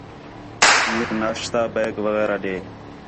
میک ناشتہ بیگ وغیرہ ݙے